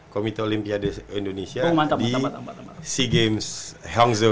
komite olimpiade indonesia di sea games hangzhou dua ribu dua puluh